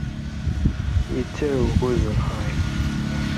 Yettarew ugudu lexṛif.